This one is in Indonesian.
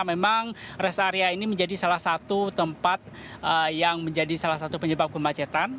memang rest area ini menjadi salah satu tempat yang menjadi salah satu penyebab kemacetan